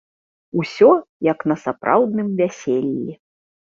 Усё, як на сапраўдным вяселлі!